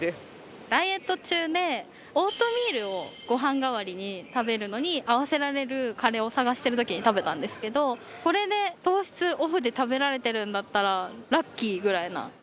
オートミールをご飯代わりに食べるのに合わせられるカレーを探してる時に食べたんですけどこれで糖質オフで食べられてるんだったらラッキーぐらいな。